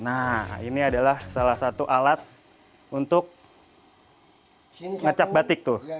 nah ini adalah salah satu alat untuk ngecap batik tuh